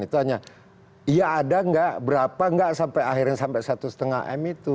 itu hanya ya ada nggak berapa enggak sampai akhirnya sampai satu lima m itu